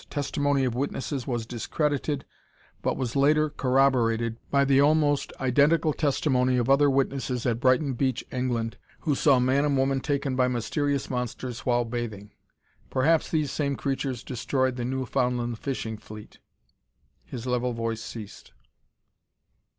Testimony of witnesses was discredited, but was later corroborated by the almost identical testimony of other witnesses at Brighton Beach, England, who saw man and woman taken by mysterious monsters whilst bathing.' Perhaps these same creatures destroyed the Newfoundland fishing fleet." His level voice ceased.